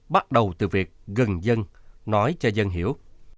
bắt đầu từ việc gần dân nói cho dân hiểu